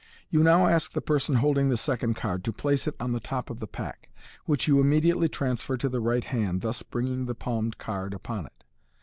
You now ask the person holding the second card to place it on the top of the pack, which you immediately transfer to the right hand, thus bringing the palmed card upon it.